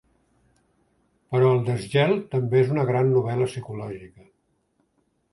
Però El desgel també és una gran novel·la psicològica.